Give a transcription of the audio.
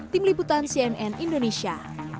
tim liputan cnn indonesia